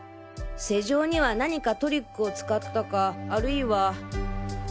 施錠には何かトリックを使ったかあるいは。